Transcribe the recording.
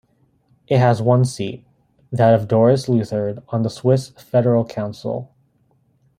It has one seat, that of Doris Leuthard, on the Swiss Federal Council.